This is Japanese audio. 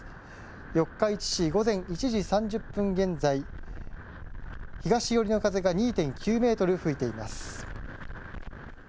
四日市市、午前１時３０分現在、東寄りの風が２．９メートル吹いています。